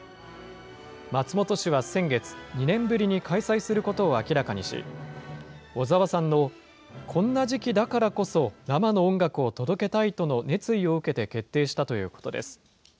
松本市は先月、２年ぶりに開催することを明らかにし、小澤さんのこんな時期だからこそ生の音楽を届けたいとの熱意を受けて決定したということです。